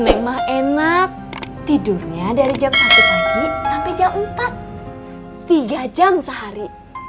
neng mah enak tidurnya dari jam satu pagi sampai jam empat tiga jam sehari